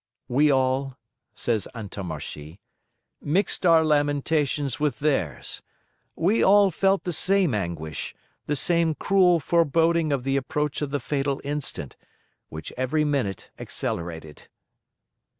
"We all," says Antommarchi, "mixed our lamentations with theirs: we all felt the same anguish, the same cruel foreboding of the approach of the fatal instant, which every minute accelerated."